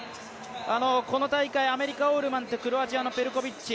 この大会、アメリカ・オールマンとクロアチアのペルコビッチ